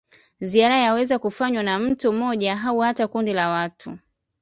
Ziara yaweza kufanywa na mtu mmoja au hata kundi la watu.